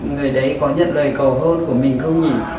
người đấy có nhận lời cầu hôn của mình không nhỉ